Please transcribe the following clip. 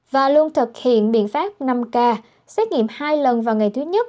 và luôn thực hiện biện pháp năm k xét nghiệm hai lần vào ngày thứ nhất